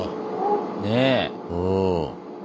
ねえ！